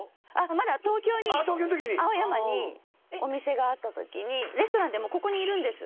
まだ東京に青山にお店があった時にレストランでもうここにいるんです